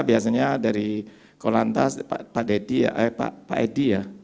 biasanya dari korlantas pak edi ya